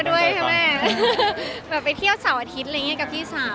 ก็ดูแลกันให้ดีที่สุดครับ